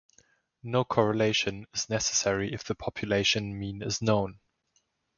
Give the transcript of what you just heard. No correction is necessary if the population mean is known.